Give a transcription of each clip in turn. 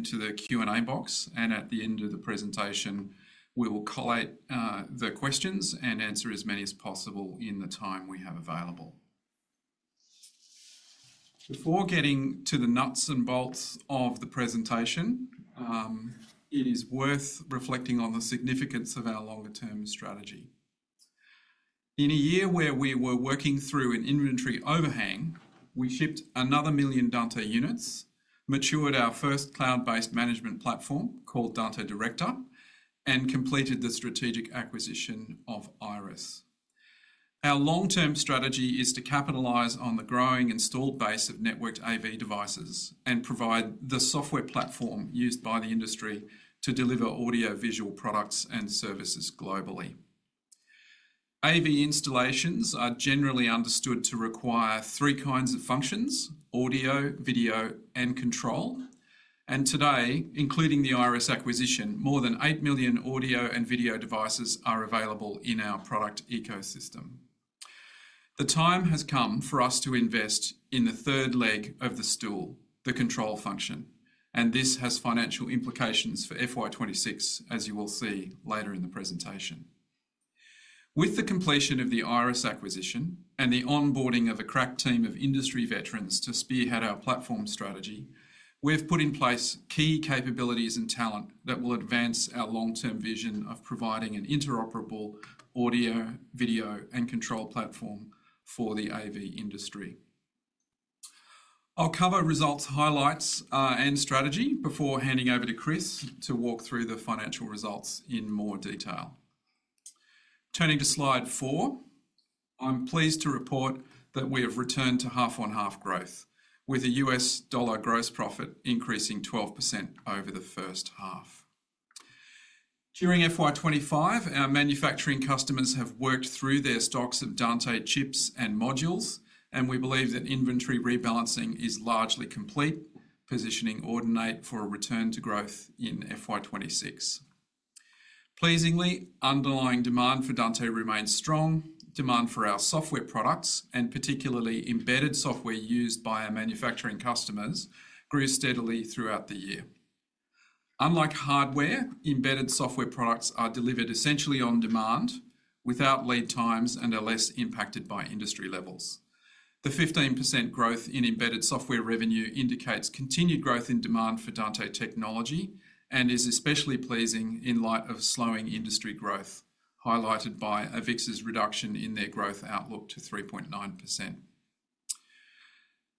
Into the Q&A box, and at the end of the presentation, we will collate the questions and answer as many as possible in the time we have available. Before getting to the nuts and bolts of the presentation, it is worth reflecting on the significance of our longer-term strategy. In a year where we were working through an inventory overhang, we shipped another million Dante units, matured our first cloud-based management platform called Dante Director, and completed the strategic acquisition of Iris. Our long-term strategy is to capitalize on the growing installed base of networked AV devices and provide the software platform used by the industry to deliver audiovisual products and services globally. AV installations are generally understood to require three kinds of functions: audio, video, and control. Today, including the Iris. acquisition, more than 8 million audio and video devices are available in our product ecosystem. The time has come for us to invest in the third leg of the stool, the control function, and this has financial implications for FY 2026, as you will see later in the presentation. With the completion of the Iris acquisition and the onboarding of a crack team of industry veterans to spearhead our platform strategy, we've put in place key capabilities and talent that will advance our long-term vision of providing an interoperable audio, video, and control platform for the AV industry. I'll cover results, highlights, and strategy before handing over to Chris to walk through the financial results in more detail. Turning to slide four, I'm pleased to report that we have returned to half-on-half growth, with a U.S. dollar gross profit increasing 12% over the first half. During FY 2025, our manufacturing customers have worked through their stocks of Dante chips and modules, and we believe that inventory rebalancing is largely complete, positioning Audinate Group Ltd for a return to growth in FY 2026. Pleasingly, underlying demand for Dante remains strong. Demand for our software products, and particularly embedded software used by our manufacturing customers, grew steadily throughout the year. Unlike hardware, embedded software products are delivered essentially on demand without lead times and are less impacted by industry levels. The 15% growth in embedded software revenue indicates continued growth in demand for Dante technology and is especially pleasing in light of slowing industry growth, highlighted by Avixa's reduction in their growth outlook to 3.9%.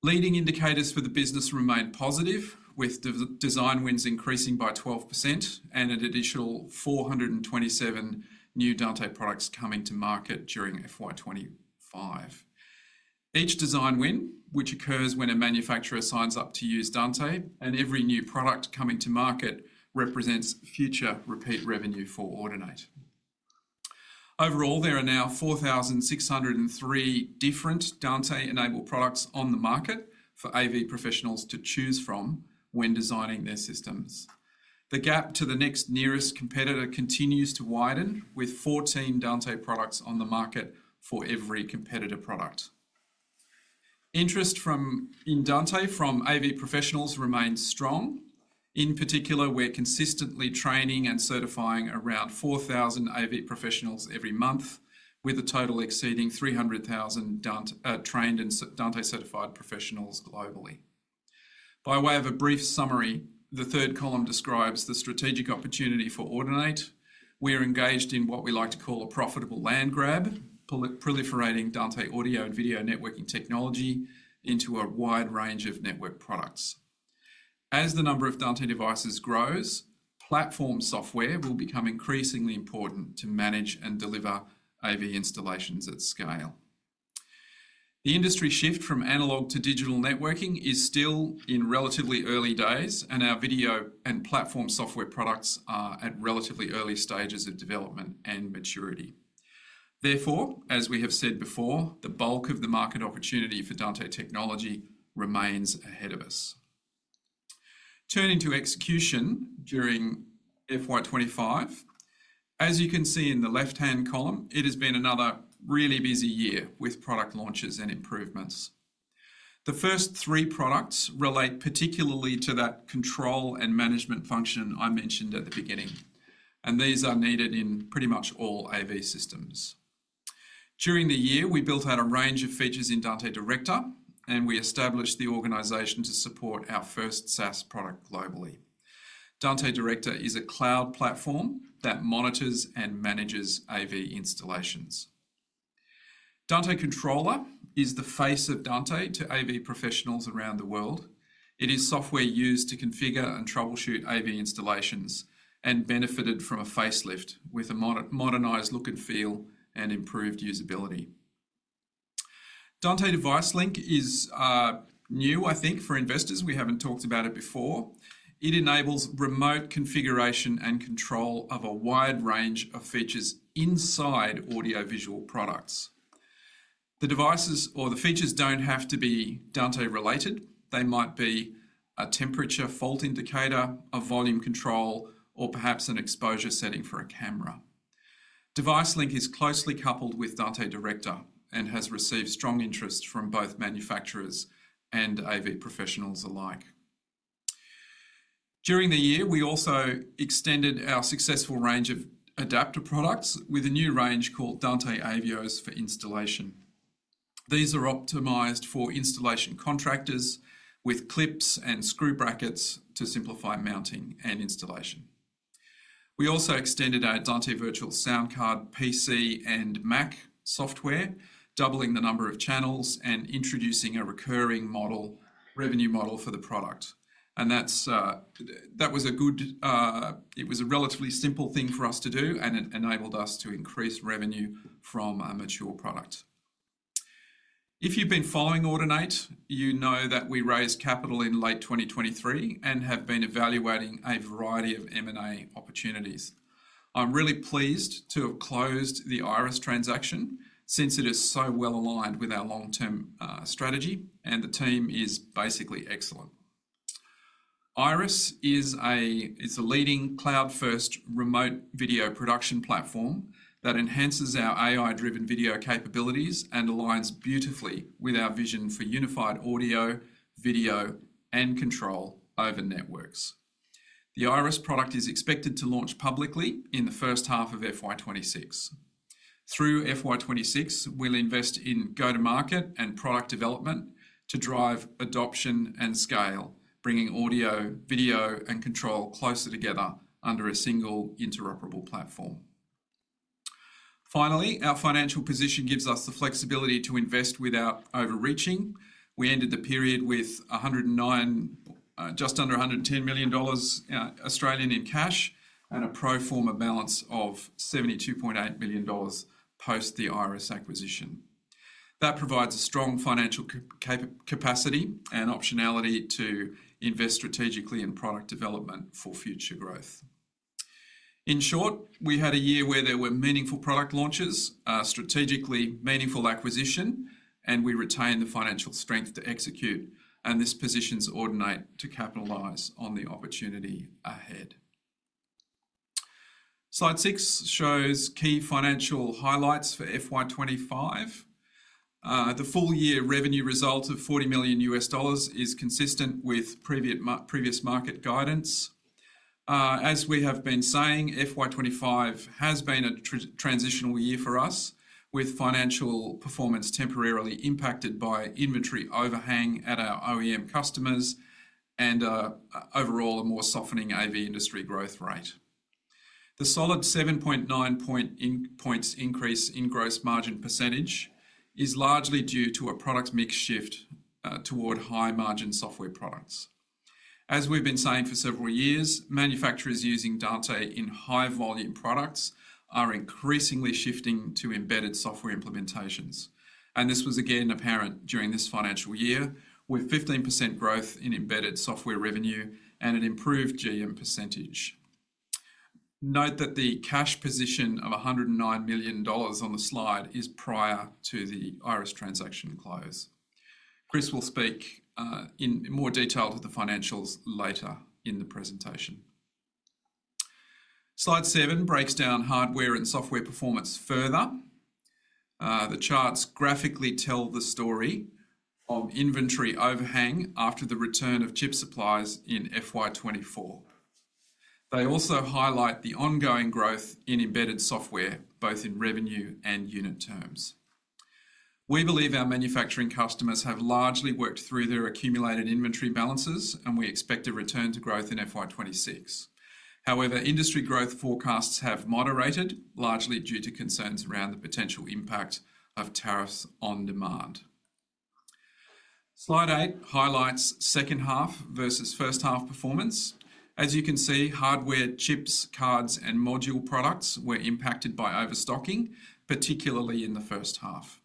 Leading indicators for the business remain positive, with design wins increasing by 12% and an additional 427 new Dante products coming to market during FY2025. Each design win, which occurs when a manufacturer signs up to use Dante, and every new product coming to market represents future repeat revenue for Audinate. Overall, there are now 4,603 different Dante-enabled products on the market for AV professionals to choose from when designing their systems. The gap to the next nearest competitor continues to widen, with 14 Dante products on the market for every competitor product. Interest in Dante from AV professionals remains strong. In particular, we're consistently training and certifying around 4,000 AV professionals every month, with the total exceeding 300,000 trained and Dante-certified professionals globally. By way of a brief summary, the third column describes the strategic opportunity for Audinate. We're engaged in what we like to call a profitable land grab, proliferating Dante audio and video networking technology into a wide range of network products. As the number of Dante devices grows, platform software will become increasingly important to manage and deliver AV installations at scale. The industry shift from analog to digital networking is still in relatively early days, and our video and platform software products are at relatively early stages of development and maturity. Therefore, as we have said before, the bulk of the market opportunity for Dante technology remains ahead of us. Turning to execution during FY2025, as you can see in the left-hand column, it has been another really busy year with product launches and improvements. The first three products relate particularly to that control and management function I mentioned at the beginning, and these are needed in pretty much all AV systems. During the year, we built out a range of features in Dante Director, and we established the organization to support our first SaaS product globally. Dante Director is a cloud platform that monitors and manages AV installations. Dante Controller is the face of Dante to AV professionals around the world. It is software used to configure and troubleshoot AV installations and benefited from a facelift with a modernized look and feel and improved usability. Dante DeviceLink is new, I think, for investors. We haven't talked about it before. It enables remote configuration and control of a wide range of features inside audio-visual products. The devices or the features don't have to be Dante related. They might be a temperature fault indicator, a volume control, or perhaps an exposure setting for a camera. DeviceLink is closely coupled with Dante Director and has received strong interest from both manufacturers and AV professionals alike. During the year, we also extended our successful range of adapter products with a new range called Dante AVIO for Installation. These are optimized for installation contractors with clips and screw brackets to simplify mounting and installation. We also extended our Dante Virtual SoundCard PC and Mac software, doubling the number of channels and introducing a recurring revenue model for the product. That was a good, it was a relatively simple thing for us to do, and it enabled us to increase revenue from a mature product. If you've been following Audinate, you know that we raised capital in late 2023 and have been evaluating a variety of M&A opportunities. I'm really pleased to have closed the IRIS transaction since it is so well aligned with our long-term strategy, and the team is basically excellent. IRIS is a leading cloud-first remote video production platform that enhances our AI-driven video capabilities and aligns beautifully with our vision for unified audio, video, and control over networks. The IRIS product is expected to launch publicly in the first half of FY2026. Through FY2026, we'll invest in go-to-market and product development to drive adoption and scale, bringing audio, video, and control closer together under a single interoperable platform. Finally, our financial position gives us the flexibility to invest without overreaching. We ended the period with just under $110 million Australian in cash and a pro forma balance of $72.8 million post the IRIS acquisition. That provides a strong financial capacity and optionality to invest strategically in product development for future growth. In short, we had a year where there were meaningful product launches, a strategically meaningful acquisition, and we retained the financial strength to execute, and this positions Audinate to capitalize on the opportunity ahead. Slide six shows key financial highlights for FY2025. The full-year revenue result of $40 million is consistent with previous market guidance. As we have been saying, FY2025 has been a transitional year for us, with financial performance temporarily impacted by inventory overhang at our OEM customers and overall a more softening AV industry growth rate. The solid 7.9% increase in gross margin percentage is largely due to a product mix shift toward high-margin software products. As we've been saying for several years, manufacturers using Dante in high-volume products are increasingly shifting to embedded software implementations, and this was again apparent during this financial year with 15% growth in embedded software revenue and an improved GM percentage. Note that the cash position of $109 million on the slide is prior to the IRIS transaction close. Chris will speak in more detail to the financials later in the presentation. Slide seven breaks down hardware and software performance further. The charts graphically tell the story of inventory overhang after the return of chip supplies in FY2024. They also highlight the ongoing growth in embedded software, both in revenue and unit terms. We believe our manufacturing customers have largely worked through their accumulated inventory balances, and we expect a return to growth in FY2026. However, industry growth forecasts have moderated, largely due to concerns around the potential impact of tariffs on demand. Slide eight highlights second half versus first half performance. As you can see, hardware, chips, cards, and module products were impacted by overstocking, particularly in the first half.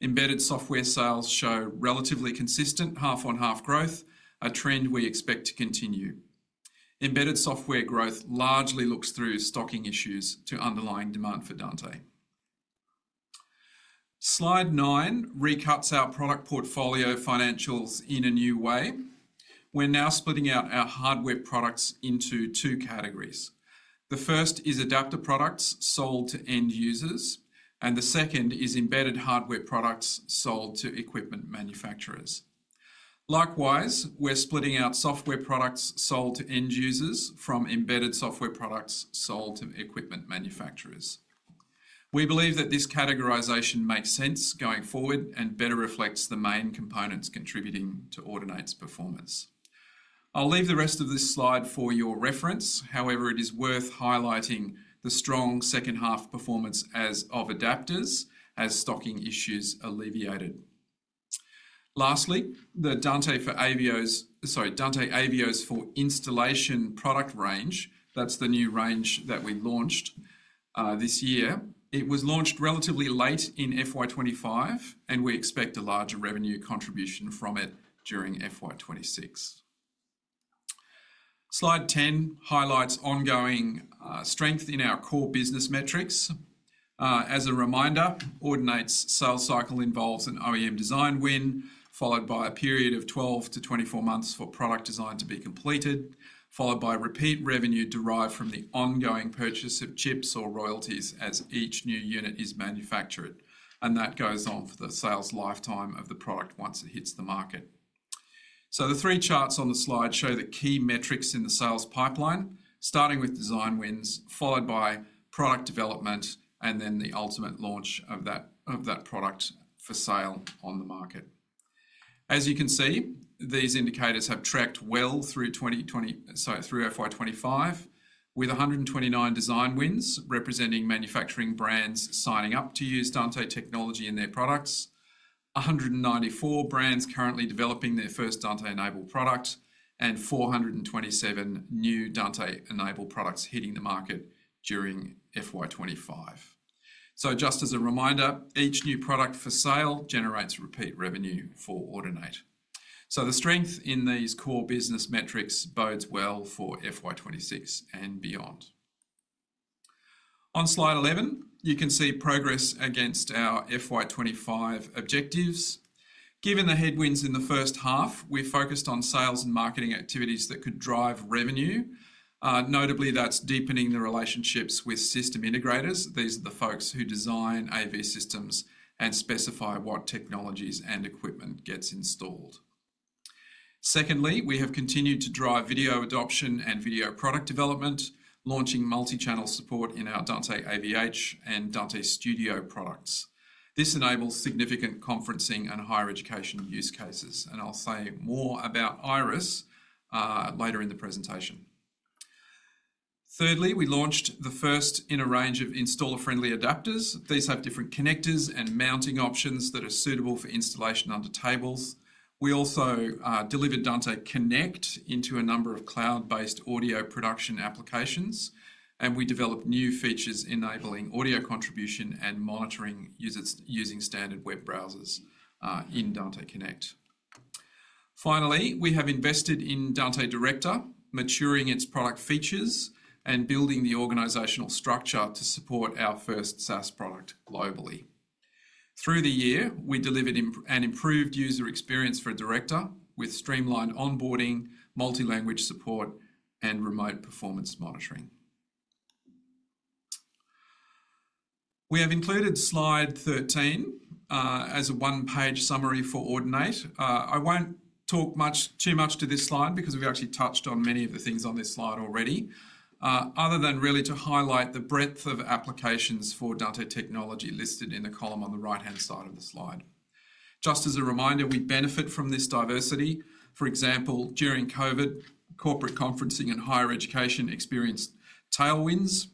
Embedded software sales show relatively consistent half-on-half growth, a trend we expect to continue. Embedded software growth largely looks through stocking issues to underlying demand for Dante. Slide nine recuts our product portfolio financials in a new way. We're now splitting out our hardware products into two categories. The first is adapter products sold to end users, and the second is embedded hardware products sold to equipment manufacturers. Likewise, we're splitting out software products sold to end users from embedded software products sold to equipment manufacturers. We believe that this categorization makes sense going forward and better reflects the main components contributing to Audinate's performance. I'll leave the rest of this slide for your reference. However, it is worth highlighting the strong second half performance of adapters as stocking issues alleviated. Lastly, the Dante Avio for Installation product range, that's the new range that we launched this year. It was launched relatively late in FY2025, and we expect a larger revenue contribution from it during FY2026. Slide 10 highlights ongoing strength in our core business metrics. As a reminder, Audinate's sales cycle involves an OEM design win, followed by a period of 12 months-24 months for product design to be completed, followed by repeat revenue derived from the ongoing purchase of chips or royalties as each new unit is manufactured. That goes on for the sales lifetime of the product once it hits the market. The three charts on the slide show the key metrics in the sales pipeline, starting with design wins, followed by product development, and then the ultimate launch of that product for sale on the market. As you can see, these indicators have tracked well through FY2025 with 129 design wins representing manufacturing brands signing up to use Dante technology in their products, 194 brands currently developing their first Dante-enabled product, and 427 new Dante-enabled products hitting the market during FY2025. Just as a reminder, each new product for sale generates repeat revenue for Audinate. The strength in these core business metrics bodes well for FY2026 and beyond. On slide 11, you can see progress against our FY2025 objectives. Given the headwinds in the first half, we focused on sales and marketing activities that could drive revenue. Notably, that's deepening the relationships with system integrators. These are the folks who design AV systems and specify what technologies and equipment get installed. Secondly, we have continued to drive video adoption and video product development, launching multi-channel support in our Dante AV-H and Dante Studio products. This enables significant conferencing and higher education use cases, and I'll say more about IRIS later in the presentation. Thirdly, we launched the first in a range of installer-friendly adapters. These have different connectors and mounting options that are suitable for installation under tables. We also delivered Dante Connect into a number of cloud-based audio production applications, and we developed new features enabling audio contribution and monitoring using standard web browsers in Dante Connect. Finally, we have invested in Dante Director, maturing its product features and building the organizational structure to support our first SaaS product globally. Through the year, we delivered an improved user experience for Director with streamlined onboarding, multi-language support, and remote performance monitoring. We have included slide 13 as a one-page summary for Audinate. I won't talk too much to this slide because we've actually touched on many of the things on this slide already, other than really to highlight the breadth of applications for Dante technology listed in the column on the right-hand side of the slide. Just as a reminder, we benefit from this diversity. For example, during COVID, corporate conferencing and higher education experienced tailwinds,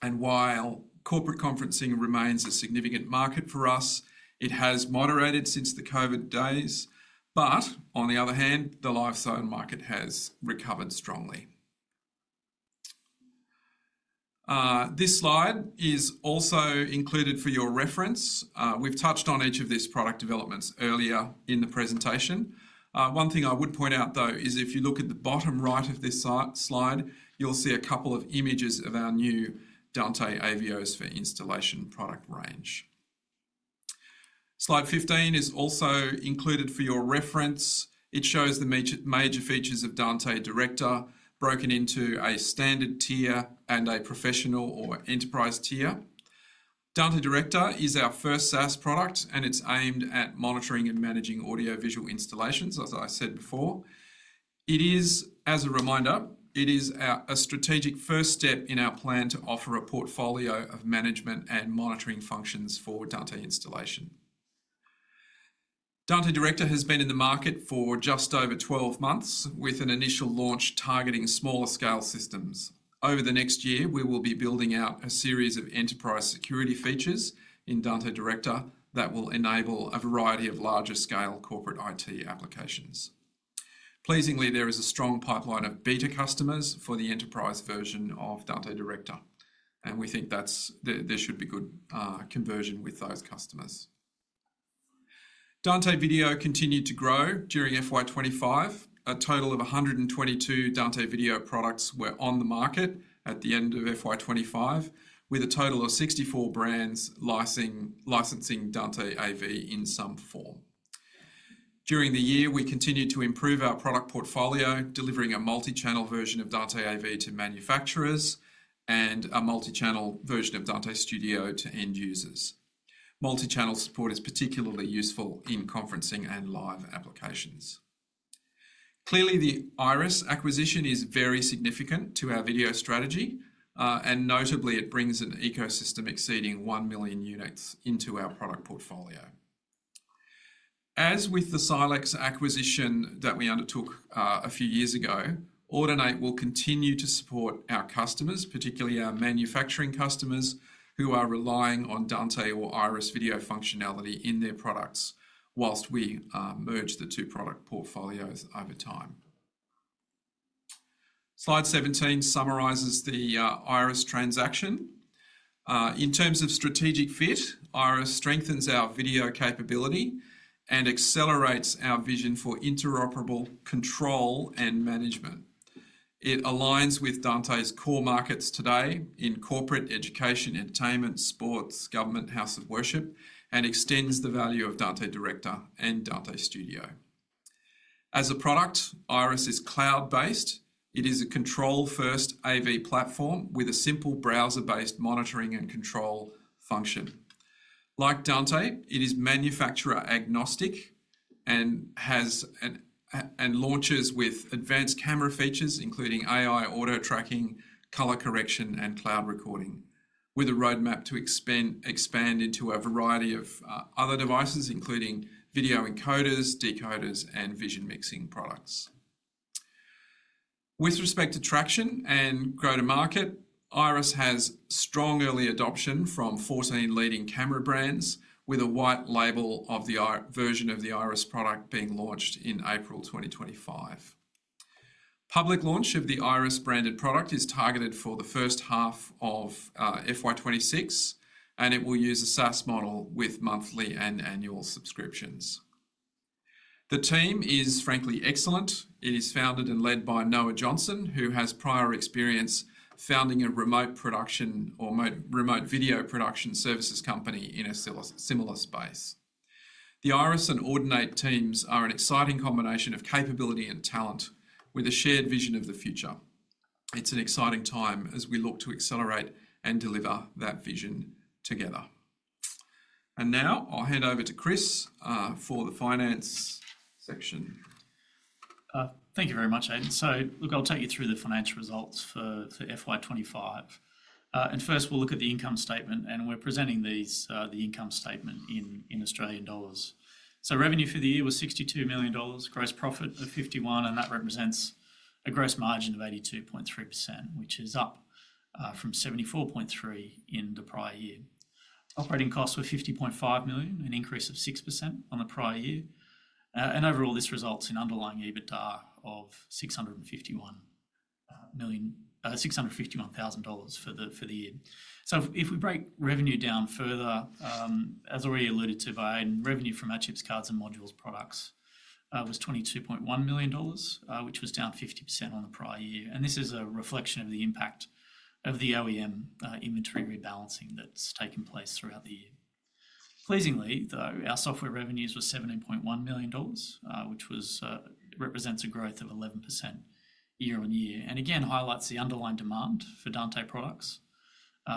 and while corporate conferencing remains a significant market for us, it has moderated since the COVID days. On the other hand, the lifestyle market has recovered strongly. This slide is also included for your reference. We've touched on each of these product developments earlier in the presentation. One thing I would point out, though, is if you look at the bottom right of this slide, you'll see a couple of images of our new Dante AVIO for Installation product range. Slide 15 is also included for your reference. It shows the major features of Dante Director, broken into a standard tier and a professional or enterprise tier. Dante Director is our first SaaS product, and it's aimed at monitoring and managing audiovisual installations, as I said before. It is, as a reminder, a strategic first step in our plan to offer a portfolio of management and monitoring functions for Dante installation. Dante Director has been in the market for just over 12 months, with an initial launch targeting smaller-scale systems. Over the next year, we will be building out a series of enterprise security features in Dante Director that will enable a variety of larger-scale corporate IT applications. Pleasingly, there is a strong pipeline of beta customers for the enterprise version of Dante Director, and we think that there should be good conversion with those customers. Dante Video continued to grow during FY2025. A total of 122 Dante Video products were on the market at the end of FY2025, with a total of 64 brands licensing Dante AV in some form. During the year, we continued to improve our product portfolio, delivering a multi-channel version of Dante AV to manufacturers and a multi-channel version of Dante Studio to end users. Multi-channel support is particularly useful in conferencing and live applications. Clearly, the IRIS acquisition is very significant to our video strategy, and notably, it brings an ecosystem exceeding 1 million units into our product portfolio. As with the Cylux acquisition that we undertook a few years ago, Audinate will continue to support our customers, particularly our manufacturing customers who are relying on Dante or IRIS video functionality in their products whilst we merge the two product portfolios over time. Slide 17 summarizes the IRIS transaction. In terms of strategic fit, IRIS strengthens our video capability and accelerates our vision for interoperable control and management. It aligns with Dante's core markets today in corporate, education, entertainment, sports, government, house of worship, and extends the value of Dante Director and Dante Studio. As a product, IRIS is cloud-based. It is a control-first AV platform with a simple browser-based monitoring and control function. Like Dante, it is manufacturer-agnostic and launches with advanced camera features, including AI auto-tracking, color correction, and cloud recording, with a roadmap to expand into a variety of other devices, including video encoders, decoders, and vision mixing products. With respect to traction and go to market, IRIS has strong early adoption from 14 leading camera brands, with a white-label version of the IRIS product being launched in April 2025. Public launch of the IRIS branded product is targeted for the first half of FY2026, and it will use a SaaS model with monthly and annual subscriptions. The team is frankly excellent. It is founded and led by Noah Johnson, who has prior experience founding a remote video production services company in a similar space. The IRIS and Audinate teams are an exciting combination of capability and talent, with a shared vision of the future. It's an exciting time as we look to accelerate and deliver that vision together. Now I'll hand over to Chris for the finance section. Thank you very much, Aidan. I'll take you through the financial results for FY2025. First, we'll look at the income statement, and we're presenting the income statement in Australian dollars. Revenue for the year was A$62 million, gross profit of A$51 million, and that represents a gross margin of 82.3%, which is up from 74.3% in the prior year. Operating costs were A$50.5 million, an increase of 6% on the prior year. Overall, this results in underlying EBITDA of A$651,000 for the year. If we break revenue down further, as already alluded to by Aidan, revenue from our chips, cards, and modules products was A$22.1 million, which was down 50% on the prior year. This is a reflection of the impact of the OEM inventory rebalancing that's taken place throughout the year. Pleasingly, though, our software revenues were A$7.1 million, which represents a growth of 11% year-on-year. Again, highlights the underlying demand for Dante products,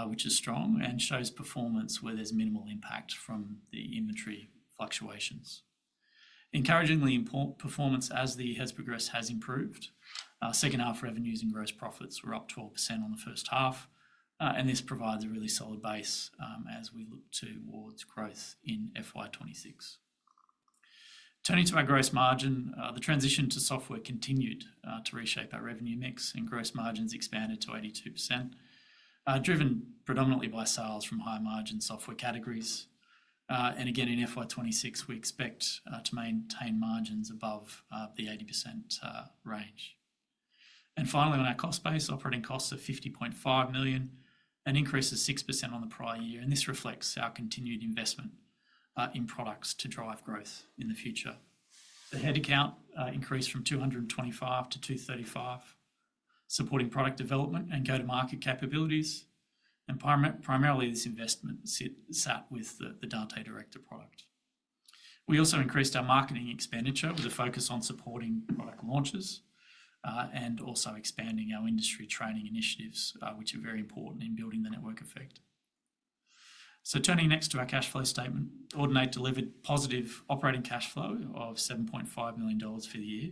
which is strong and shows performance where there's minimal impact from the inventory fluctuations. Encouragingly, performance as the year has progressed has improved. Second half revenues and gross profits were up 12% on the first half, and this provides a really solid base as we look towards growth in FY2026. Turning to our gross margin, the transition to software continued to reshape that revenue mix, and gross margins expanded to 82%, driven predominantly by sales from high-margin software categories. In FY2026, we expect to maintain margins above the 80% range. Finally, on our cost base, operating costs are A$50.5 million, an increase of 6% on the prior year. This reflects our continued investment in products to drive growth in the future. The headcount increased from 225-235, supporting product development and go-to-market capabilities. Primarily, this investment sat with the Dante Director product. We also increased our marketing expenditure with a focus on supporting product launches and also expanding our industry training initiatives, which are very important in building the network effect. Turning next to our cash flow statement, Audinate delivered positive operating cash flow of A$7.5 million for the year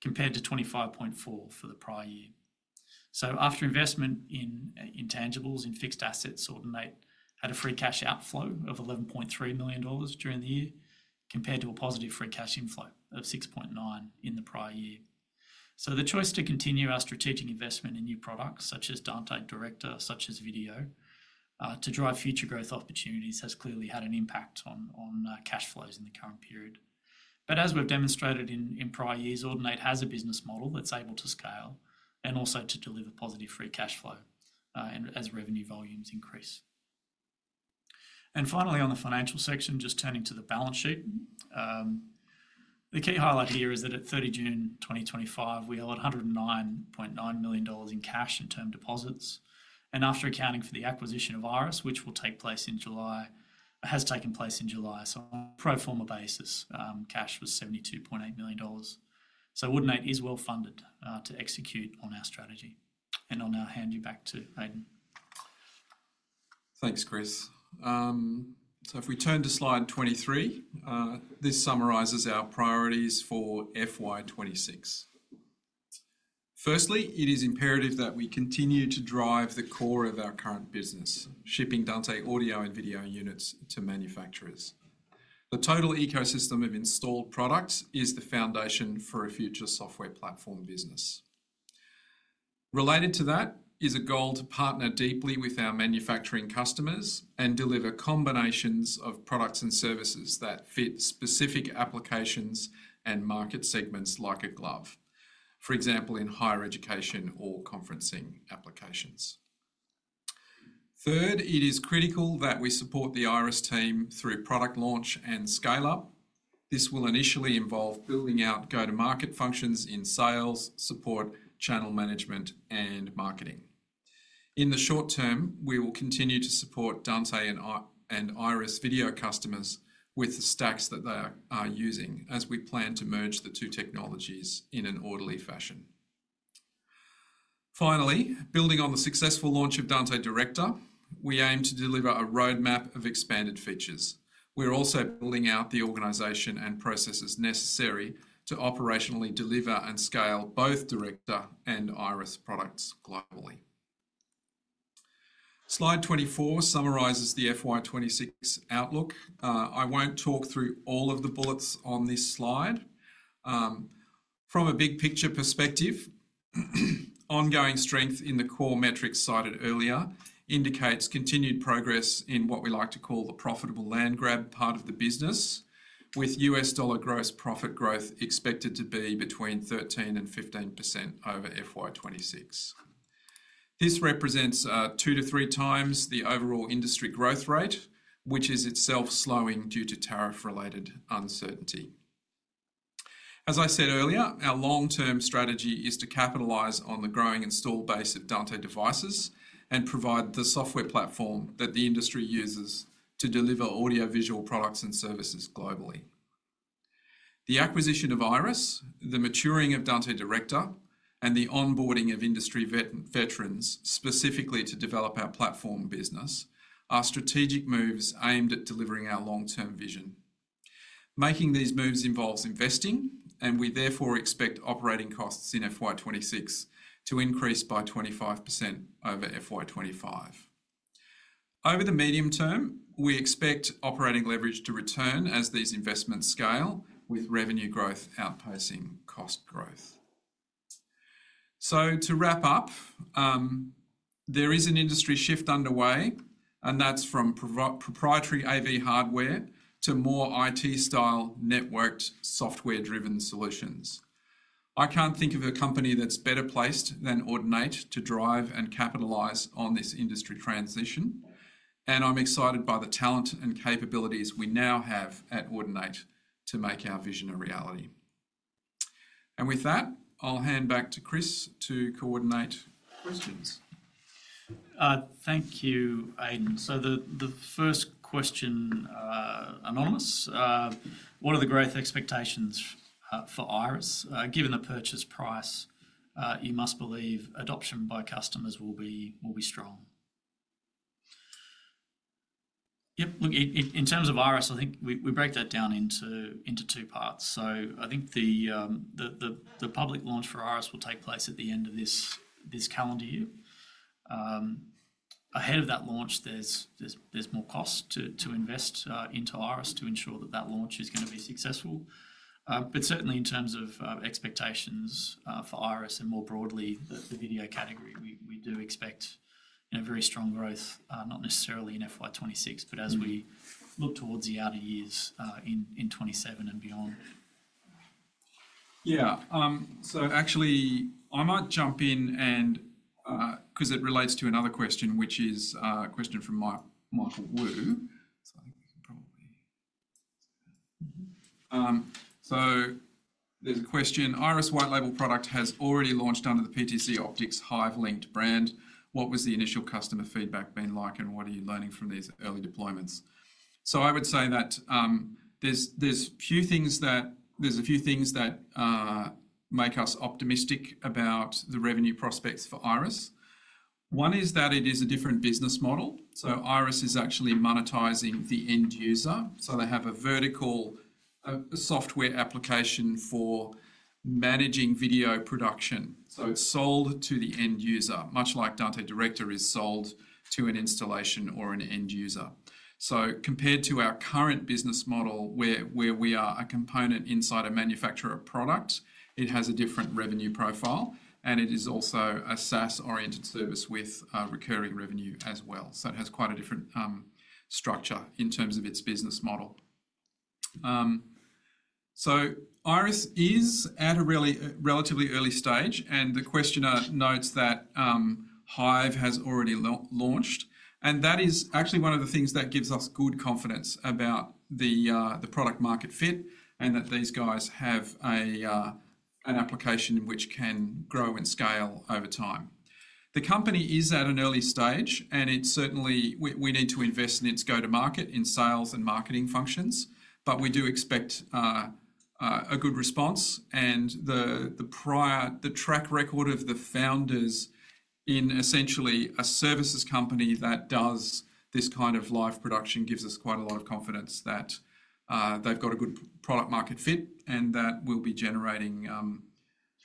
compared to A$25.4 million for the prior year. After investment in intangibles and fixed assets, Audinate had a free cash outflow of A$11.3 million during the year compared to a positive free cash inflow ofA$6.9 million in the prior year. The choice to continue our strategic investment in new products such as Dante Director, such as video, to drive future growth opportunities has clearly had an impact on cash flows in the current period. As we've demonstrated in prior years, Audinate has a business model that's able to scale and also to deliver positive free cash flow as revenue volumes increase. Finally, on the financial section, just turning to the balance sheet, the key highlight here is that at 30 June 2025, we allotted A$109.9 million in cash in term deposits. After accounting for the acquisition of IRIS, which will take place in July, has taken place in July, so on a pro forma basis, cash was A$72.8 million. Audinate is well funded to execute on our strategy. I'll now hand you back to Aidan. Thanks, Chris. If we turn to slide 23, this summarizes our priorities for FY2026. Firstly, it is imperative that we continue to drive the core of our current business, shipping Dante audio and video units to manufacturers. The total ecosystem of installed products is the foundation for a future software platform business. Related to that is a goal to partner deeply with our manufacturing customers and deliver combinations of products and services that fit specific applications and market segments like a glove, for example, in higher education or conferencing applications. Third, it is critical that we support the IRIS team through product launch and scale-up. This will initially involve building out go-to-market functions in sales, support, channel management, and marketing. In the short term, we will continue to support Dante and IRIS video customers with the stacks that they are using as we plan to merge the two technologies in an orderly fashion. Finally, building on the successful launch of Dante Director, we aim to deliver a roadmap of expanded features. We're also building out the organization and processes necessary to operationally deliver and scale both Director and IRIS products globally. Slide 24 summarizes the FY2026 outlook. I won't talk through all of the bullets on this slide. From a big picture perspective, ongoing strength in the core metrics cited earlier indicates continued progress in what we like to call the profitable land grab part of the business, with U.S. dollar gross profit growth expected to be between 13% and 15% over FY2026. This represents two to three times the overall industry growth rate, which is itself slowing due to tariff-related uncertainty. As I said earlier, our long-term strategy is to capitalize on the growing install base of Dante devices and provide the software platform that the industry uses to deliver audiovisual products and services globally. The acquisition of IRIS, the maturing of Dante Director, and the onboarding of industry veterans specifically to develop our platform business are strategic moves aimed at delivering our long-term vision. Making these moves involves investing, and we therefore expect operating costs in FY2026 to increase by 25% over FY2025. Over the medium term, we expect operating leverage to return as these investments scale with revenue growth outpacing cost growth. To wrap up, there is an industry shift underway, and that's from proprietary AV hardware to more IT-style networked software-driven solutions. I can't think of a company that's better placed than Audinate to drive and capitalize on this industry transition, and I'm excited by the talent and capabilities we now have at Audinate to make our vision a reality. With that, I'll hand back to Chris to coordinate questions. Thank you, Aidan. The first question is anonymous. What are the growth expectations for IRIS? Given the purchase price, you must believe adoption by customers will be strong. In terms of IRIS, I think we break that down into two parts. I think the public launch for IRIS will take place at the end of this calendar year. Ahead of that launch, there's more cost to invest into IRIS to ensure that that launch is going to be successful. Certainly, in terms of expectations for IRIS and more broadly the video category, we do expect very strong growth, not necessarily in FY2026, but as we look towards the outer years in 2027 and beyond. Yeah. Actually, I might jump in because it relates to another question, which is a question from Michael Wu. There's a question: IRIS white-label product has already launched under the PTC Optics Hive linked brand. What has the initial customer feedback been like, and what are you learning from these early deployments? I would say that there are a few things that make us optimistic about the revenue prospects for IRIS. One is that it is a different business model. IRIS is actually monetizing the end user. They have a vertical software application for managing video production sold to the end user, much like Dante Director is sold to an installation or an end user. Compared to our current business model, where we are a component inside a manufacturer product, it has a different revenue profile, and it is also a SaaS-oriented service with recurring revenue as well. It has quite a different structure in terms of its business model. IRIS is at a relatively early stage, and the questioner notes that Hive has already launched. That is actually one of the things that gives us good confidence about the product market fit and that these guys have an application which can grow and scale over time. The company is at an early stage, and we need to invest in its go-to-market in sales and marketing functions, but we do expect a good response. The track record of the founders in essentially a services company that does this kind of live production gives us quite a lot of confidence that they've got a good product market fit and that we'll be generating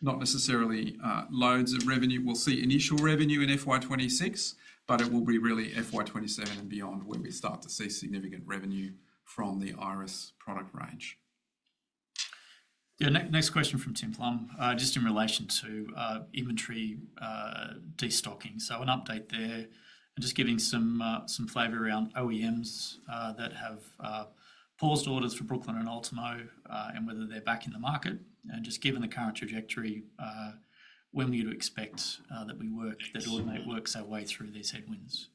not necessarily loads of revenue. We'll see initial revenue in FY2026, but it will be really FY2027 and beyond when we start to see significant revenue from the IRIS product range. Next question from Tim Plum just in relation to inventory destocking. An update there, and just giving some flavor around OEMs that have paused orders for Brooklyn and Altimo and whether they're back in the market. Just given the current trajectory, when we would expect that Audinate works our way through these headwinds.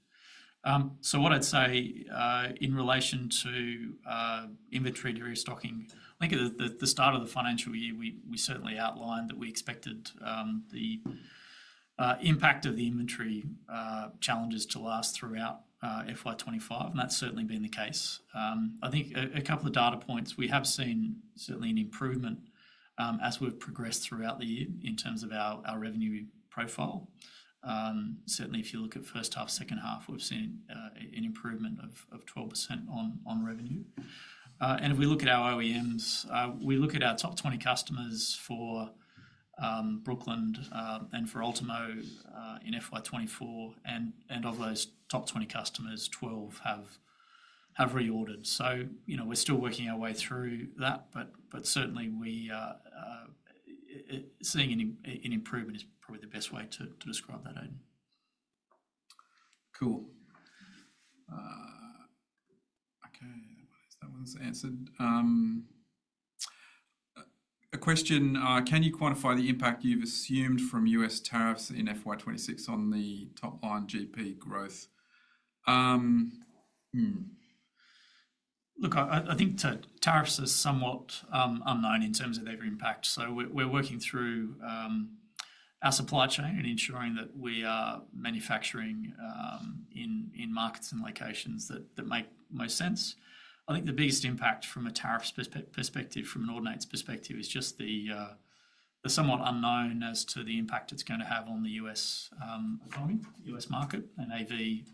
What I'd say in relation to inventory restocking, I think at the start of the financial year, we certainly outlined that we expected the impact of the inventory challenges to last throughout FY2025, and that's certainly been the case. I think a couple of data points, we have seen certainly an improvement as we've progressed throughout the year in terms of our revenue profile. Certainly, if you look at first half, second half, we've seen an improvement of 12% on revenue. If we look at our OEMs, we look at our top 20 customers for Brooklyn and for Altimo in FY2024, and of those top 20 customers, 12 have reordered. We're still working our way through that, but certainly seeing an improvement is probably the best way to describe that, Aidan. Cool. Okay, I believe that one's answered. A question. Can you quantify the impact you've assumed from U.S. tariffs in FY2026 on the top line GP growth? I think tariffs are somewhat unknown in terms of their impact. We're working through our supply chain and ensuring that we are manufacturing in markets and locations that make most sense. I think the biggest impact from a tariff perspective, from Audinate's perspective, is just the somewhat unknown as to the impact it's going to have on the U.S. economy, U.S. market, and AV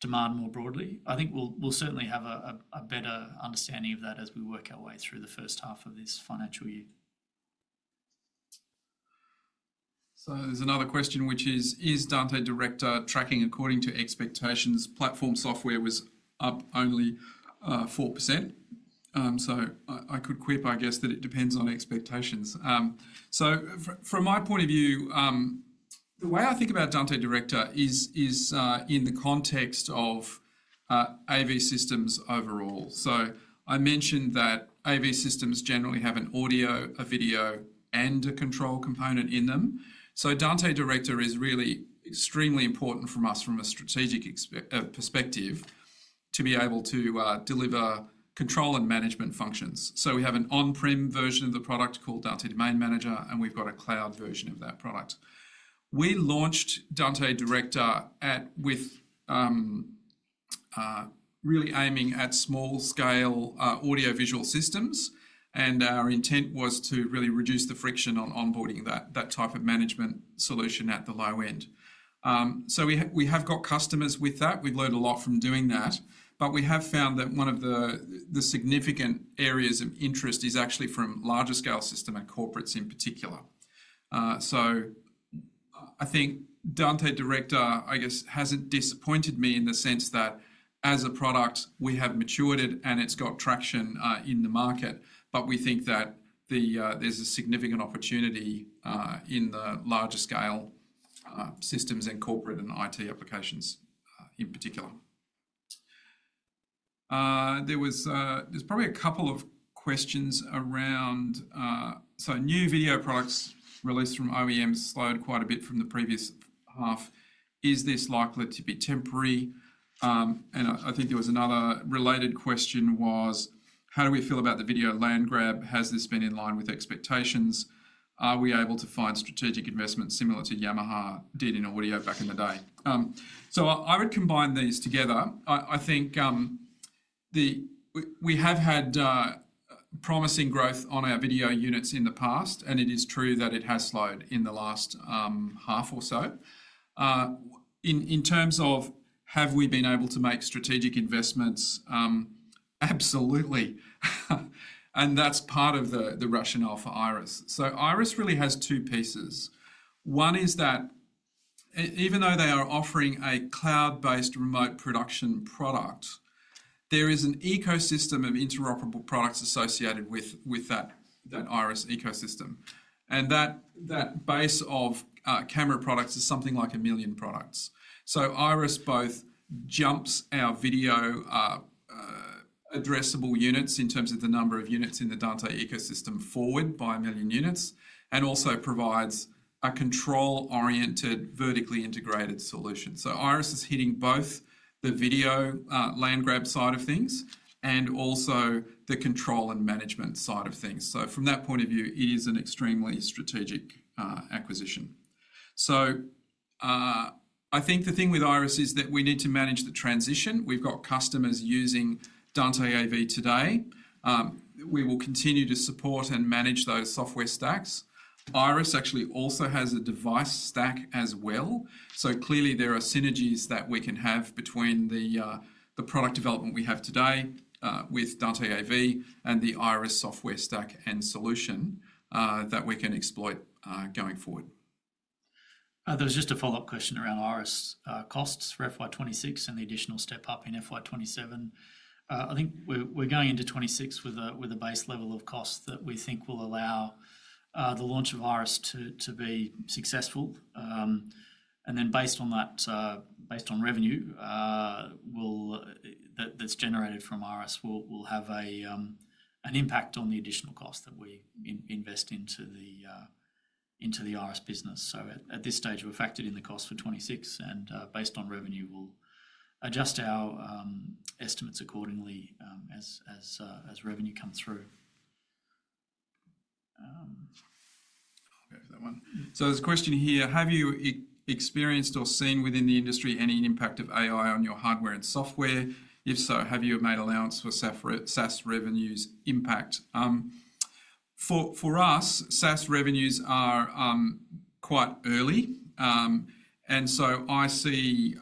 demand more broadly. I think we'll certainly have a better understanding of that as we work our way through the first half of this financial year. There's another question, which is, is Dante Director tracking according to expectations? Platform software was up only 4%. I could quip, I guess, that it depends on expectations. From my point of view, the way I think about Dante Director is in the context of AV systems overall. I mentioned that AV systems generally have an audio, a video, and a control component in them. Dante Director is really extremely important for us from a strategic perspective to be able to deliver control and management functions. We have an on-prem version of the product called Dante Domain Manager, and we've got a cloud version of that product. We launched Dante Director really aiming at small-scale audiovisual systems, and our intent was to really reduce the friction on onboarding that type of management solution at the low end. We have got customers with that. We've learned a lot from doing that, but we have found that one of the significant areas of interest is actually from larger-scale systems and corporates in particular. I think Dante Director hasn't disappointed me in the sense that as a product, we have matured it and it's got traction in the market, but we think that there's a significant opportunity in the larger-scale systems and corporate and IT applications in particular. There are probably a couple of questions around new video products released from OEMs slowed quite a bit from the previous half. Is this likely to be temporary? I think there was another related question, how do we feel about the video land grab? Has this been in line with expectations? Are we able to find strategic investments similar to what Yamaha did in audio back in the day? I would combine these together. We have had promising growth on our video units in the past, and it is true that it has slowed in the last half or so. In terms of have we been able to make strategic investments, absolutely. That's part of the rationale for IRIS. IRIS really has two pieces. One is that even though they are offering a cloud-based remote production product, there is an ecosystem of interoperable products associated with that IRIS ecosystem. That base of camera products is something like a million products. IRIS both jumps our video addressable units in terms of the number of units in the Dante ecosystem forward by a million units, and also provides a control-oriented, vertically integrated solution. IRIS is hitting both the video land grab side of things and also the control and management side of things. From that point of view, it is an extremely strategic acquisition. I think the thing with IRIS is that we need to manage the transition. We've got customers using Dante AV today. We will continue to support and manage those software stacks. IRIS actually also has a device stack as well. Clearly, there are synergies that we can have between the product development we have today with Dante AV and the IRIS software stack and solution that we can exploit going forward. There's just a follow-up question around IRIS costs for FY2026 and the additional step up in FY2027. I think we're going into 2026 with a base level of cost that we think will allow the launch of IRIS to be successful. Based on revenue that's generated from IRIS, we'll have an impact on the additional cost that we invest into the IRIS business. At this stage, we're factored in the cost for 2026, and based on revenue, we'll adjust our estimates accordingly as revenue comes through. There's a question here. Have you experienced or seen within the industry any impact of AI on your hardware and software? If so, have you made allowance for SaaS revenues impact? For us, SaaS revenues are quite early. I see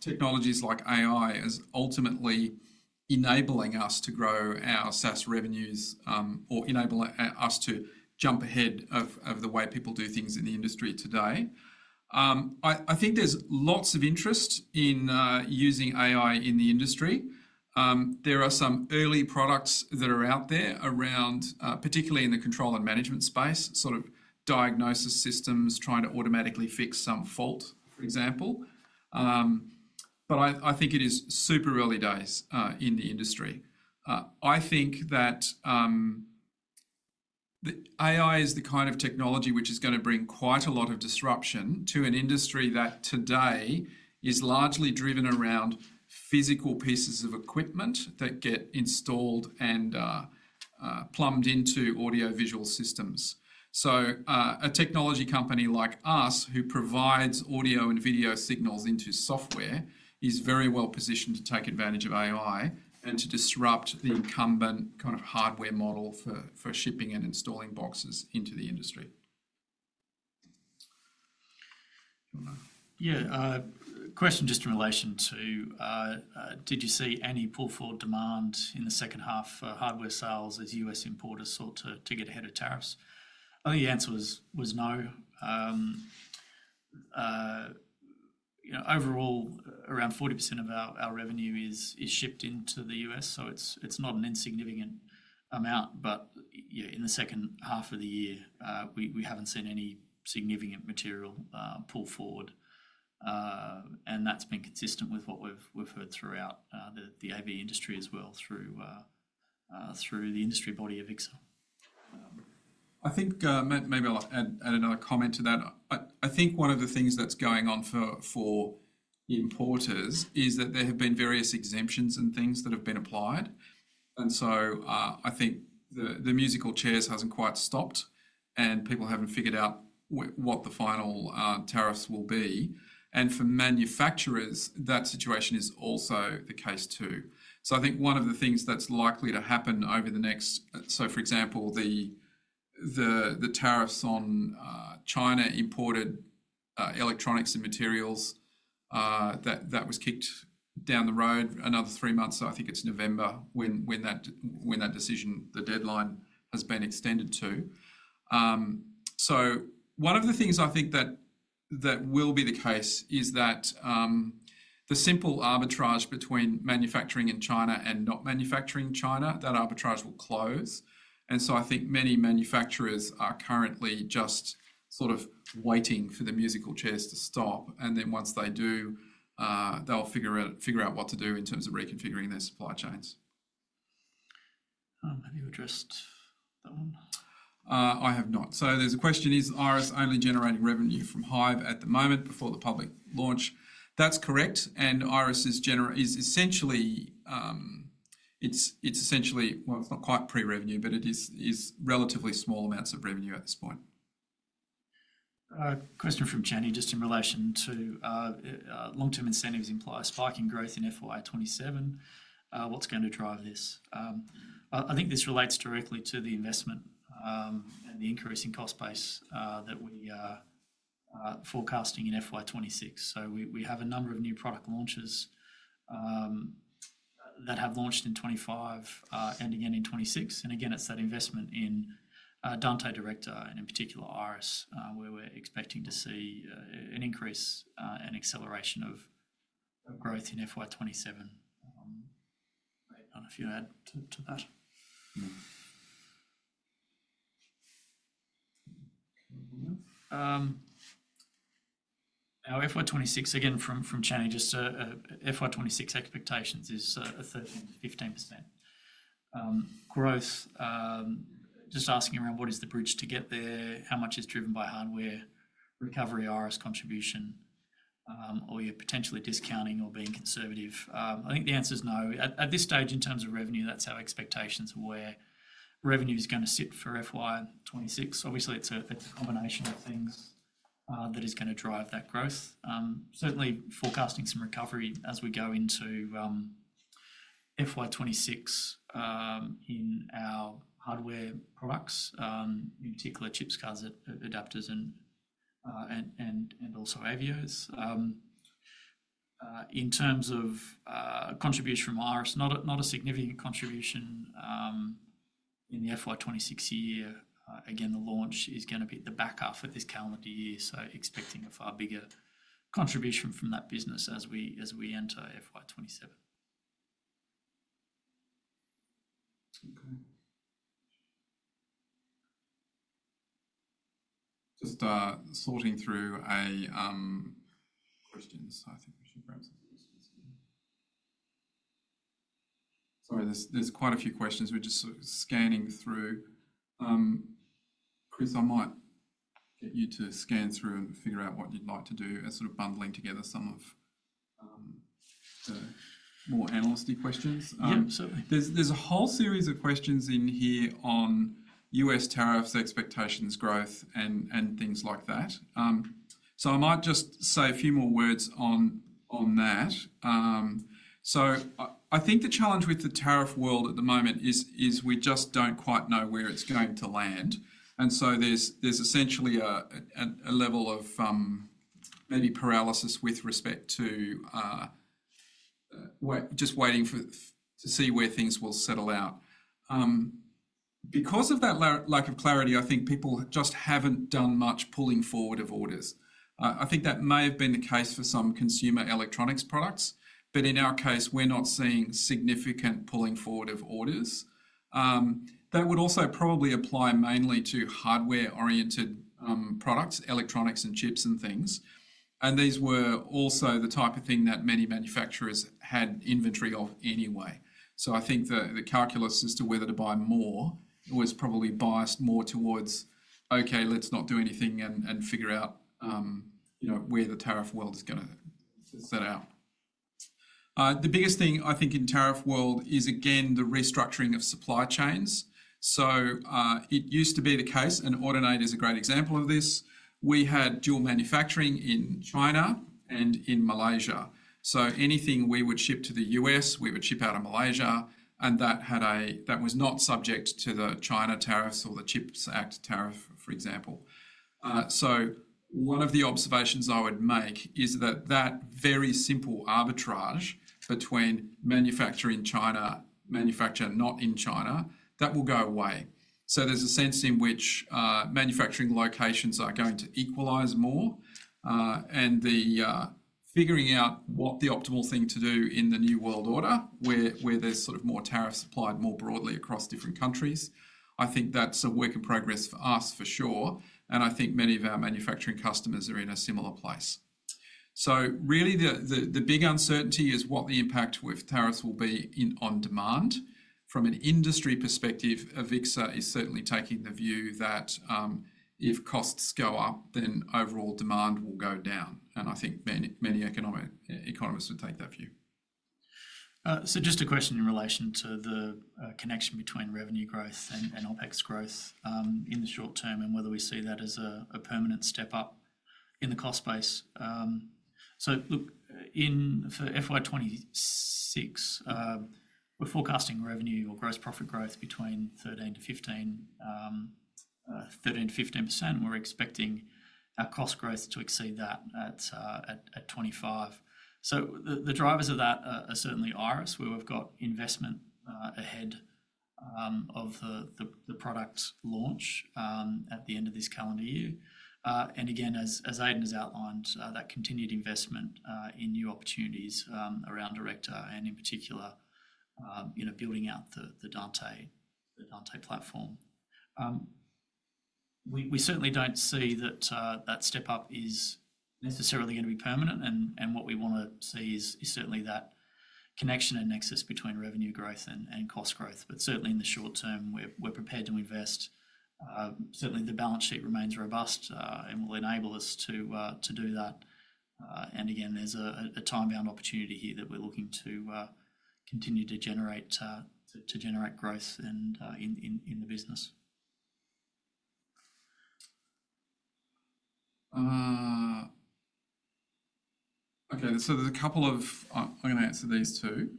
technologies like AI as ultimately enabling us to grow our SaaS revenues or enable us to jump ahead of the way people do things in the industry today. I think there's lots of interest in using AI in the industry. There are some early products that are out there, particularly in the control and management space, sort of diagnosis systems trying to automatically fix some fault, for example. I think it is super early days in the industry. I think that AI is the kind of technology which is going to bring quite a lot of disruption to an industry that today is largely driven around physical pieces of equipment that get installed and plumbed into audiovisual systems. A technology company like us, who provides audio and video signals into software, is very well positioned to take advantage of AI and to disrupt the incumbent kind of hardware model for shipping and installing boxes into the industry. Yeah, question just in relation to, did you see any pull forward demand in the second half for hardware sales as U.S. importers sought to get ahead of tariffs? I think the answer was no. Overall, around 40% of our revenue is shipped into the U.S., so it's not an insignificant amount. In the second half of the year, we haven't seen any significant material pull forward. That's been consistent with what we've heard throughout the AV industry as well through the industry body Avixa. I think maybe I'll add another comment to that. I think one of the things that's going on for importers is that there have been various exemptions and things that have been applied. I think the musical chairs haven't quite stopped, and people haven't figured out what the final tariffs will be. For manufacturers, that situation is also the case too. I think one of the things that's likely to happen over the next, for example, the tariffs on China-imported electronics and materials, that was kicked down the road another three months. I think it's November when that decision, the deadline, has been extended to. One of the things I think that will be the case is that the simple arbitrage between manufacturing in China and not manufacturing in China, that arbitrage will close. I think many manufacturers are currently just sort of waiting for the musical chairs to stop. Once they do, they'll figure out what to do in terms of reconfiguring their supply chains. Have you addressed that one? I have not. There's a question, is IRIS only generating revenue from Hive at the moment before the public launch? That's correct. IRIS is essentially, it's not quite pre-revenue, but it is relatively small amounts of revenue at this point. Question from Jenny, just in relation to long-term incentives imply spiking growth in FY 2027. What's going to drive this? I think this relates directly to the investment and the increase in cost base that we are forecasting in FY 2026. We have a number of new product launches that have launched in 2025 and again in 2026. It's that investment in Dante Director and in particular IRIS, where we're expecting to see an increase and acceleration of growth in FY 2027. I don't know if you add to that. No. FY 2026, again from Jenny, just FY 2026 expectations is a 15% growth. Just asking around what is the bridge to get there, how much is driven by hardware, recovery IRIS contribution, or are you potentially discounting or being conservative? I think the answer is no. At this stage, in terms of revenue, that's our expectations of where revenue is going to sit for FY 2026. Obviously, it's a combination of things that is going to drive that growth. Certainly forecasting some recovery as we go into FY 2026 in our hardware products, in particular chips, cards, adapters, and also AVIOs. In terms of contribution from IRIS, not a significant contribution in the FY 2026 year. Again, the launch is going to be the backup for this calendar year, expecting a far bigger contribution from that business as we enter FY 2027. Okay. Just sorting through a question. I think we should... There are quite a few questions. We're just sort of scanning through. Chris, I might get you to scan through and figure out what you'd like to do as sort of bundling together some of the more analyst-y questions. Yep, certainly. There's a whole series of questions in here on U.S. tariffs, expectations, growth, and things like that. I might just say a few more words on that. I think the challenge with the tariff world at the moment is we just don't quite know where it's going to land. There's essentially a level of maybe paralysis with respect to just waiting to see where things will settle out. Because of that lack of clarity, I think people just haven't done much pulling forward of orders. I think that may have been the case for some consumer electronics products, but in our case, we're not seeing significant pulling forward of orders. That would also probably apply mainly to hardware-oriented products, electronics and chips and things. These were also the type of thing that many manufacturers had inventory of anyway. I think the calculus as to whether to buy more was probably biased more towards, okay, let's not do anything and figure out where the tariff world is going to set out. The biggest thing I think in the tariff world is again the restructuring of supply chains. It used to be the case, and Audinate is a great example of this. We had dual manufacturing in China and in Malaysia. Anything we would ship to the U.S., we would ship out of Malaysia, and that was not subject to the China tariffs or the Chips Act tariff, for example. One of the observations I would make is that that very simple arbitrage between manufacturing in China, manufacturing not in China, that will go away. There's a sense in which manufacturing locations are going to equalize more, and the figuring out what the optimal thing to do in the new world order, where there's sort of more tariffs applied more broadly across different countries, I think that's a work in progress for us for sure. I think many of our manufacturing customers are in a similar place. Really, the big uncertainty is what the impact with tariffs will be on demand. From an industry perspective, Avixa is certainly taking the view that if costs go up, then overall demand will go down. I think many economists would take that view. A question in relation to the connection between revenue growth and OpEx growth in the short term and whether we see that as a permanent step up in the cost base. For FY2026, we're forecasting revenue or gross profit growth between 13% to 15%. We're expecting our cost growth to exceed that at 25%. The drivers of that are certainly IRIS, where we've got investment ahead of the product launch at the end of this calendar year. As Aidan has outlined, that continued investment in new opportunities around Director and in particular building out the Dante platform. We certainly don't see that step up is necessarily going to be permanent, and what we want to see is certainly that connection and nexus between revenue growth and cost growth. Certainly in the short term, we're prepared to invest. The balance sheet remains robust and will enable us to do that. There's a time-bound opportunity here that we're looking to continue to generate growth in the business. Okay, so there's a couple of, I'm going to answer these too.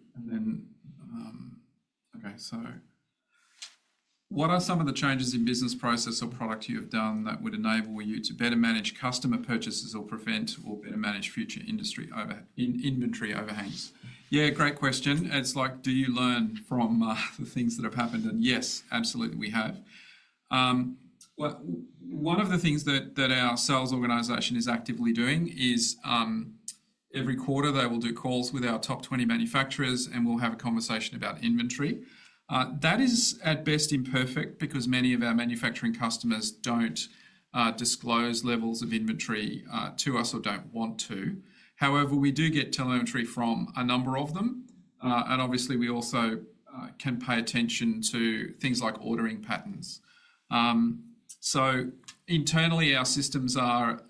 What are some of the changes in business process or product you have done that would enable you to better manage customer purchases or prevent or better manage future industry inventory overhangs? Yeah, great question. It's like, do you learn from the things that have happened? Yes, absolutely, we have. One of the things that our sales organization is actively doing is every quarter they will do calls with our top 20 manufacturers and we'll have a conversation about inventory. That is at best imperfect because many of our manufacturing customers don't disclose levels of inventory to us or don't want to. However, we do get telemetry from a number of them. Obviously, we also can pay attention to things like ordering patterns. Internally, our systems are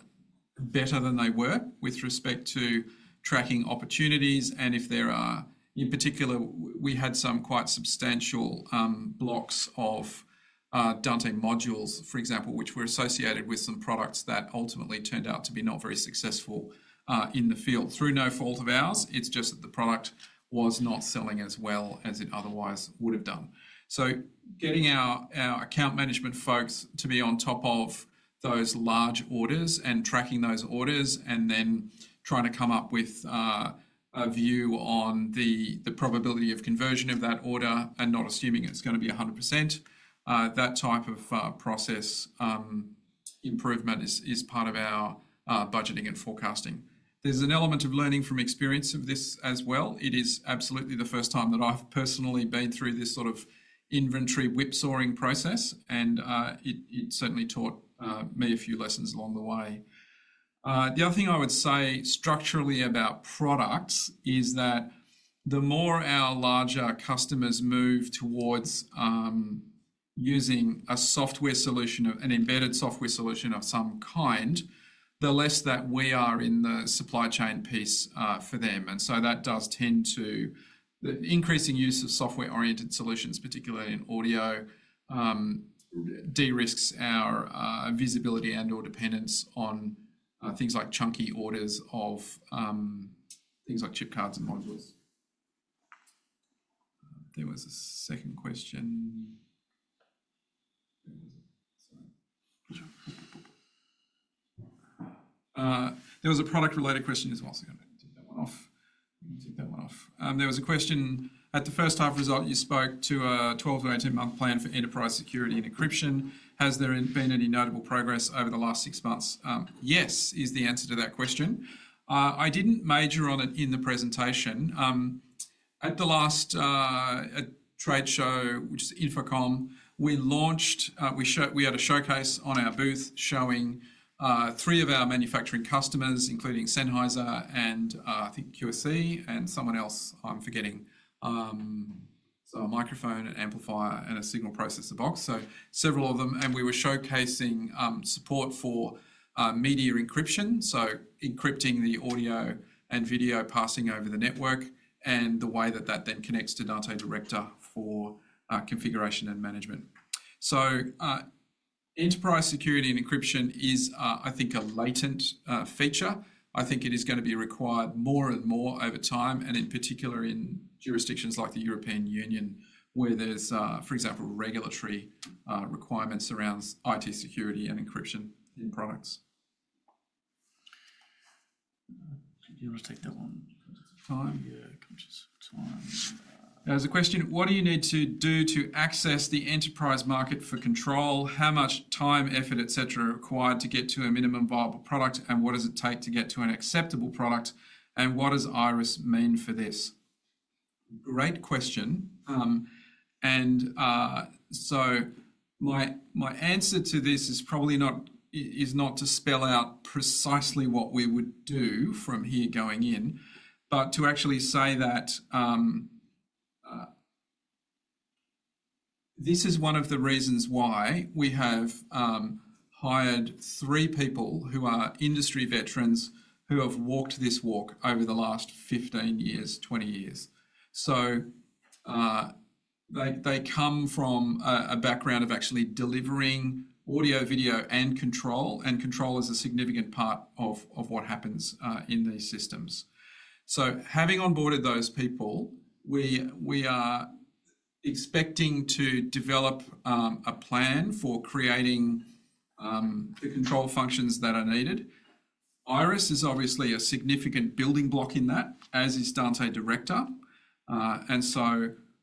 better than they were with respect to tracking opportunities. If there are, in particular, we had some quite substantial blocks of Dante modules, for example, which were associated with some products that ultimately turned out to be not very successful in the field. Through no fault of ours, it's just that the product was not selling as well as it otherwise would have done. Getting our account management folks to be on top of those large orders and tracking those orders and then trying to come up with a view on the probability of conversion of that order and not assuming it's going to be 100%, that type of process improvement is part of our budgeting and forecasting. There's an element of learning from experience of this as well. It is absolutely the first time that I've personally been through this sort of inventory whipsawing process, and it certainly taught me a few lessons along the way. The other thing I would say structurally about products is that the more our larger customers move towards using a software solution, an embedded software solution of some kind, the less that we are in the supply chain piece for them. That does tend to the increasing use of software-oriented solutions, particularly in audio, de-risks our visibility and/or dependence on things like chunky orders of things like chip, cards, and modules. There was a second question. There was a product-related question as well. I'll take that one off. There was a question. At the first half result, you spoke to a 12 months or 18-month plan for enterprise security and encryption. Has there been any notable progress over the last six months? Yes, is the answer to that question. I didn't major on it in the presentation. At the last trade show, which is InfoComm, we had a showcase on our booth showing three of our manufacturing customers, including Sennheiser and I think QSC and someone else, I'm forgetting. A microphone, an amplifier, and a signal processor box. Several of them. We were showcasing support for media encryption, encrypting the audio and video passing over the network and the way that that then connects to Dante Director for configuration and management. Enterprise security and encryption is, I think, a latent feature. I think it is going to be required more and more over time, in particular in jurisdictions like the European Union, where there's, for example, regulatory requirements around IT security and encryption in products. Do you want to take that one? Time. I'm just. Times. There's a question. What do you need to do to access the enterprise market for control? How much time, effort, etc. are required to get to a minimum viable product? What does it take to get to an acceptable product? What does IRIS mean for this? Great question. My answer to this is probably not to spell out precisely what we would do from here going in, but to actually say that this is one of the reasons why we have hired three people who are industry veterans who have walked this walk over the last 15 years, 20 years. They come from a background of actually delivering audio, video, and control, and control is a significant part of what happens in these systems. Having onboarded those people, we are expecting to develop a plan for creating the control functions that are needed. IRIS is obviously a significant building block in that, as is Dante Director.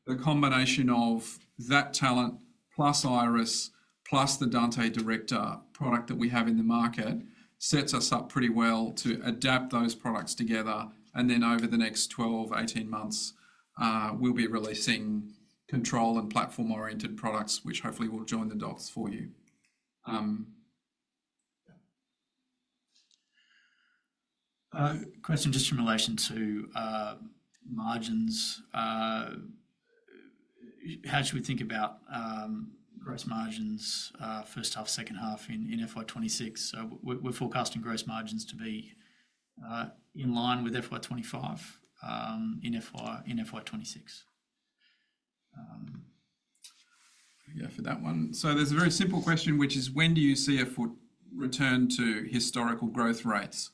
The combination of that talent plus IRIS plus the Dante Director product that we have in the market sets us up pretty well to adapt those products together. Over the next 12 months-18 months, we'll be releasing control and platform-oriented products, which hopefully will join the dots for you. Question just in relation to margins. How should we think about gross margins first half, second half in FY2026? We're forecasting gross margins to be in line with FY2025 in FY2026. Yeah, for that one. There's a very simple question, which is when do you see a foot return to historical growth rates?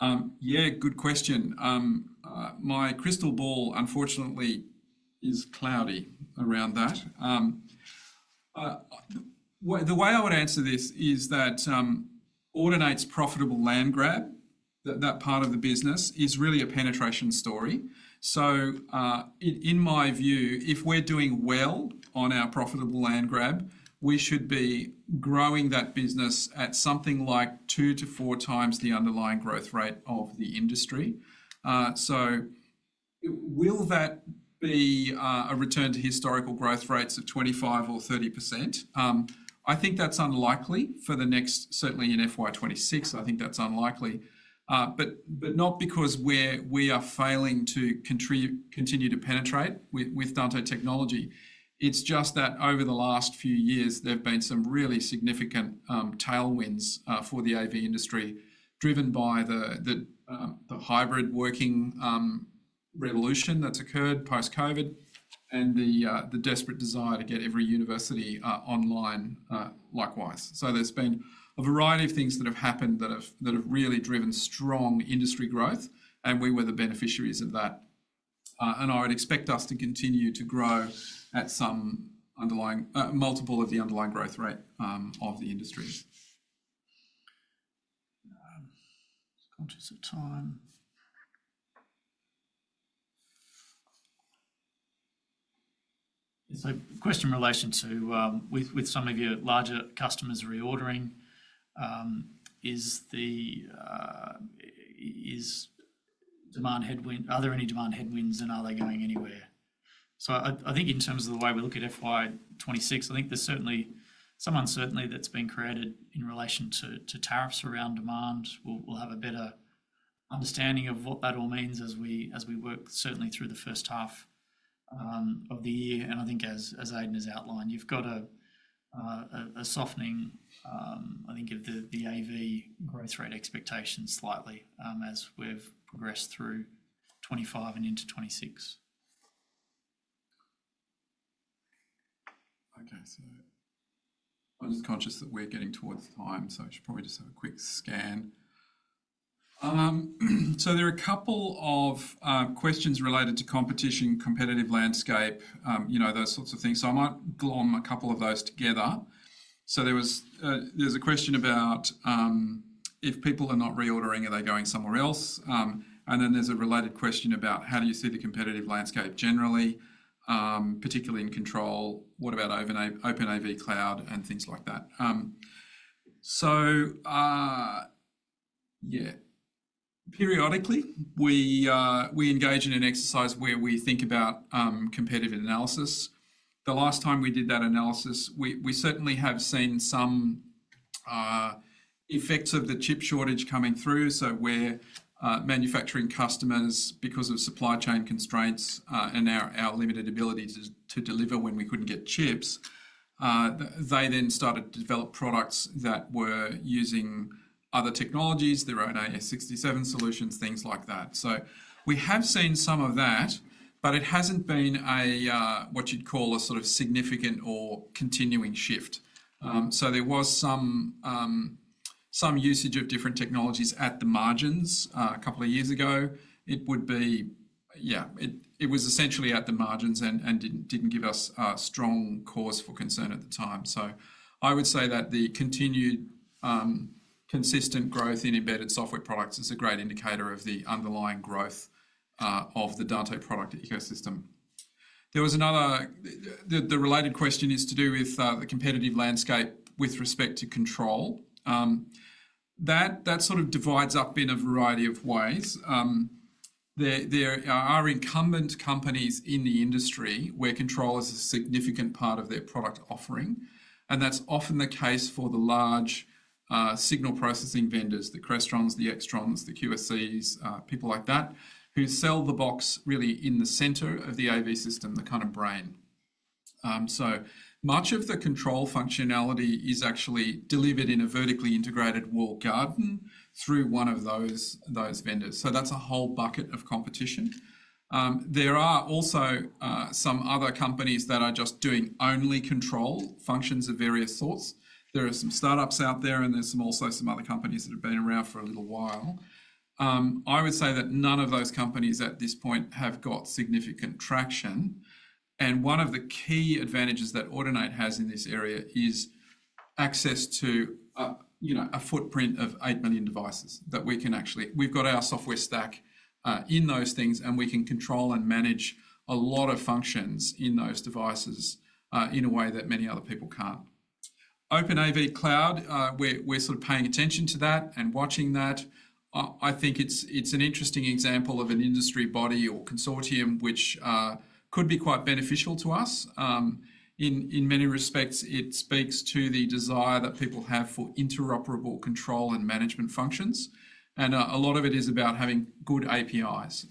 Good question. My crystal ball, unfortunately, is cloudy around that. The way I would answer this is that Audinate's profitable land grab, that part of the business, is really a penetration story. In my view, if we're doing well on our profitable land grab, we should be growing that business at something like 2x-4x the underlying growth rate of the industry. Will that be a return to historical growth rates of 25% or 30%? I think that's unlikely for the next, certainly in FY2026, I think that's unlikely. Not because we are failing to continue to penetrate with Dante technology. It's just that over the last few years, there have been some really significant tailwinds for the AV industry, driven by the hybrid working revolution that's occurred post-COVID and the desperate desire to get every university online likewise. There's been a variety of things that have happened that have really driven strong industry growth, and we were the beneficiaries of that. I would expect us to continue to grow at some multiple of the underlying growth rate of the industries. Notice of time. The question in relation to with some of your larger customers reordering, is the demand headwind? Are there any demand headwinds, and are they going anywhere? I think in terms of the way we look at FY2026, I think there's certainly some uncertainty that's been created in relation to tariffs around demand. We'll have a better understanding of what that all means as we work certainly through the first half of the year. I think as Aidan has outlined, you've got a softening, I think, of the AV growth rate expectations slightly as we've progressed through 2025 and into 2026. Okay, so we're just conscious that we're getting towards time, so we should probably just have a quick scan. There are a couple of questions related to competition, competitive landscape, you know, those sorts of things. I might glom a couple of those together. There's a question about if people are not reordering, are they going somewhere else? There's a related question about how do you see the competitive landscape generally, particularly in control? What about OpenAV Cloud and things like that? Periodically, we engage in an exercise where we think about competitive analysis. The last time we did that analysis, we certainly have seen some effects of the chip shortage coming through. We're manufacturing customers because of supply chain constraints and our limited ability to deliver when we couldn't get chips. They then started to develop products that were using other technologies, their own AES-67 solutions, things like that. We have seen some of that, but it hasn't been what you'd call a sort of significant or continuing shift. There was some usage of different technologies at the margins a couple of years ago. It was essentially at the margins and didn't give us a strong cause for concern at the time. I would say that the continued consistent growth in embedded software products is a great indicator of the underlying growth of the Dante product ecosystem. There was another, the related question is to do with the competitive landscape with respect to control. That sort of divides up in a variety of ways. There are incumbent companies in the industry where control is a significant part of their product offering. That's often the case for the large signal processing vendors, the Crestrons, the Extrons, the QSCs, people like that, who sell the box really in the center of the AV system, the kind of brain. Much of the control functionality is actually delivered in a vertically integrated walled garden through one of those vendors. That's a whole bucket of competition. There are also some other companies that are just doing only control functions of various sorts. There are some startups out there, and there's also some other companies that have been around for a little while. I would say that none of those companies at this point have got significant traction. One of the key advantages that Audinate has in this area is access to a footprint of 8 million devices that we can actually, we've got our software stack in those things, and we can control and manage a lot of functions in those devices in a way that many other people can't. OpenAV Cloud, we're sort of paying attention to that and watching that. I think it's an interesting example of an industry body or consortium which could be quite beneficial to us. In many respects, it speaks to the desire that people have for interoperable control and management functions. A lot of it is about having good APIs.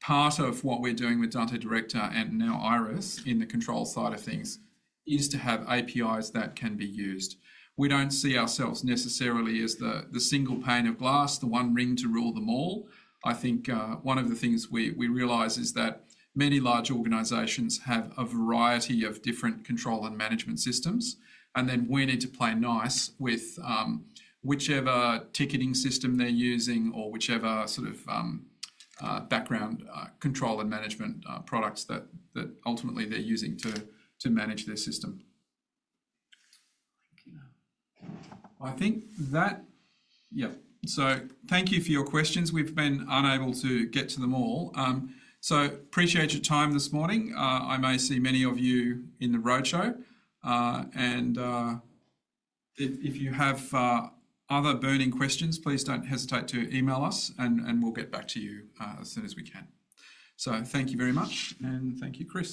Part of what we're doing with Dante Director and now IRIS in the control side of things is to have APIs that can be used. We don't see ourselves necessarily as the single pane of glass, the one ring to rule them all. One of the things we realize is that many large organizations have a variety of different control and management systems, and we need to play nice with whichever ticketing system they're using or whichever sort of background control and management products that ultimately they're using to manage their system. Thank you for your questions. We've been unable to get to them all. I appreciate your time this morning. I may see many of you in the roadshow. If you have other burning questions, please don't hesitate to email us, and we'll get back to you as soon as we can. Thank you very much, and thank you, Chris.